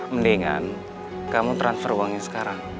mendingan kamu transfer uangnya sekarang